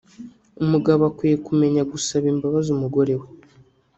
umugabo akwiye kumenya gusaba imbabazi umugore we